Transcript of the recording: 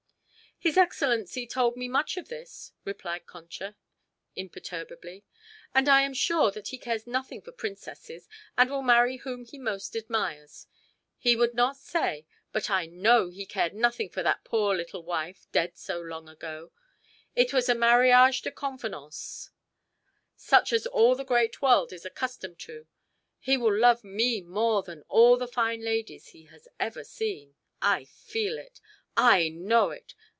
"His excellency told me much of this," replied Concha imperturbably. "And I am sure that he cares nothing for princesses and will marry whom he most admires. He would not say, but I know he cared nothing for that poor little wife, dead so long ago. It was a mariage de convenance, such as all the great world is accustomed to. He will love me more than all the fine ladies he has ever seen. I feel it. I know it!